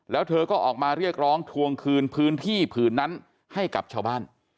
แล้วเธอก็ออกมาเรียกร้องทวงคืนพื้นที่ผืนนั้นให้กับชาวบ้าน